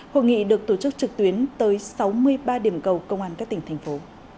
hội nghị được tổ chức trực tuyến tới sáu mươi ba điểm cầu công an các tỉnh thành phố